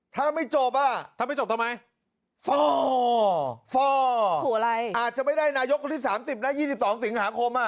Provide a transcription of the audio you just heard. ถ้าไม่จบอ่ะฟอร์ฟอร์อาจจะไม่ได้นายกที่๓๐และ๒๒สิงหาคมอ่ะ